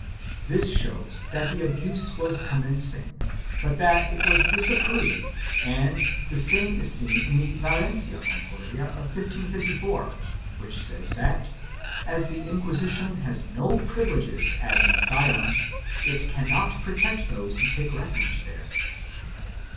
4 This shows that the abuse was commencing but that it was disap proved and the same is seen in the Valencia Concordia of 1554, which says that, as the Inquisition has no privileges as an asylum, it cannot protect those who take refuge there.